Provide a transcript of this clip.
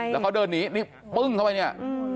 แล้วเขาเดินหนีนี่ปึ้งเข้าไปเนี่ย